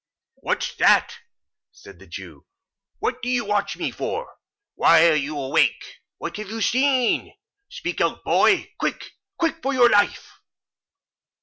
"What's that?" said the Jew. "What do you watch me for? Why are you awake? What have you seen? Speak out, boy! Quick—quick! for your life."